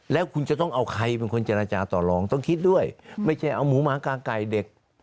แล้วคุณจะต้องเอาใครเป็นคนเจรจาต่อลองต้องคิดด้วยไม่ใช่เอาหมูหมากลางไก่เด็ก